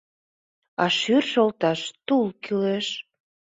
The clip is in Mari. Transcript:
А шӱр шолташ тул кӱлеш.